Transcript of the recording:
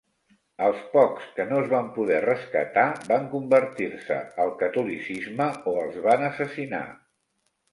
Els pocs que no es van poder rescatar van convertir-se al catolicisme o els van assassinar.